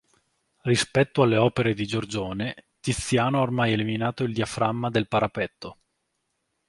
Rispetto alle opere di Giorgione, Tiziano ha ormai eliminato il diaframma del parapetto.